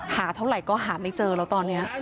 หาเท่าไหร่ก็หาไม่เจอแล้วตอนนี้